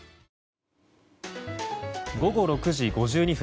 午後６時５２分。